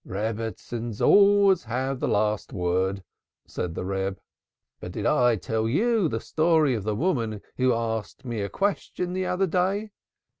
"Rebbitzins always have the last word," said the Reb. "But did I tell you the story of the woman who asked me a question the other day?